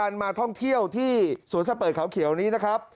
เอาที่สวดสระเปรย์เขาเขียวนี้นะครับ